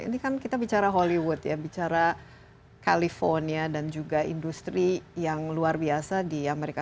ini kan kita bicara hollywood ya bicara california dan juga industri yang luar biasa di amerika